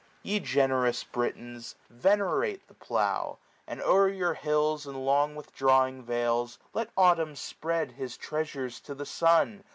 6^ Ye generous Britons, venerate the plough ; And o'er your hills, and long withdrawing vales. Let Autumn spread his treasures to the sun.